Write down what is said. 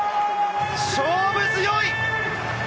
勝負強い！